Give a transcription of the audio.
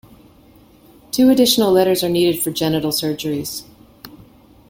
Two additional letters are needed for genital surgeries.